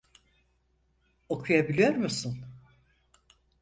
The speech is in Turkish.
Okuyabiliyor musun?